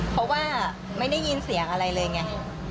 เพราะว่าไม่ได้ยินเสียงอะไรเลยไง